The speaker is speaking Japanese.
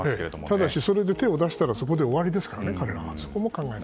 ただしそれで手を出したらそこで終わりですからね、彼らは。